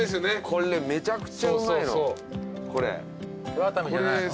これめちゃくちゃうまいのこれ。